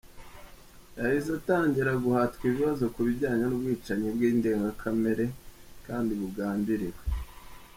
Yahise atangira guhatwa ibibazo ku bijyanye n’ubwicanyi bw’indengakamere kandi bugambiriwe.